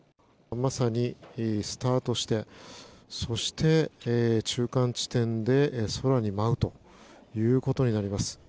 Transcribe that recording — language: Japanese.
まさにスタートしてそして中間地点で空に舞うということになります。